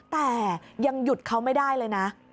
แต่ยังหยุดเขาไม่ได้เลยนะ